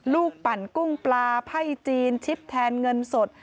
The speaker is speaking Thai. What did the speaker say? ปั่นกุ้งปลาไพ่จีนชิบแทนเงินสด